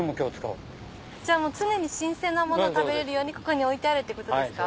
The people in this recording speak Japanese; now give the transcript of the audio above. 常に新鮮なもの食べれるようにここに置いてあるってことですか？